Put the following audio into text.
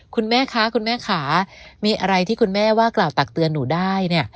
คุณแม่คะคุณแม่ค่ะมีอะไรที่คุณแม่ว่ากล่าวตักเตือนหนูได้เนี่ย